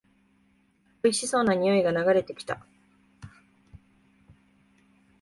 おいしそうな匂いが流れてきた